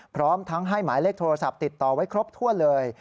พร้อมทั้งให้หมายเลขโทรศัพท์ติดต่อไว้ครบถ้วนเลย